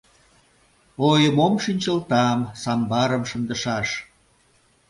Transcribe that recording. Ой, мом шинчылтам, самбарым шындышаш.